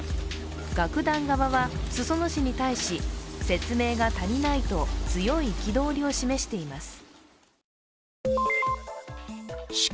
楽団側は、裾野市に対し説明が足りないと強い憤りを示しています。